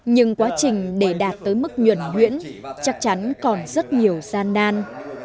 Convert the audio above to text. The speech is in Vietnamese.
nhưng quá trình để đạt tới mức nhuận luyện chắc chắn còn rất nhiều gian đan